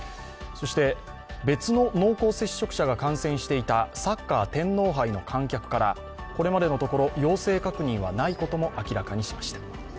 別の濃厚接触者が感染していたサッカー天皇杯の観客から、これまでのところ陽性確認はないことも明らかにしました。